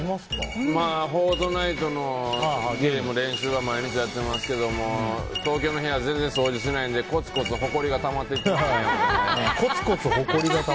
まあ、「フォートナイト」のゲーム、練習は毎日やってますけども東京の部屋全然掃除しないのでコツコツほこりがたまっているということでね。